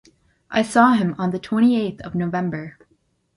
I saw him on the twenty eighth of November.